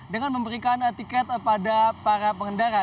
dengan memberikan tiket pada para pengendara